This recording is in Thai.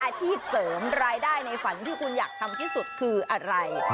อาชีพเสริมรายได้ในฝันที่คุณอยากทำที่สุดคืออะไร